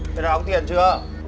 mày đã đóng tiền chưa